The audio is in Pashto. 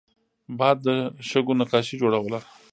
باد د شګو نقاشي جوړوي